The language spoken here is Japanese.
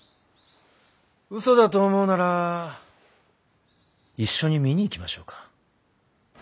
うそだと思うなら一緒に見に行きましょうか？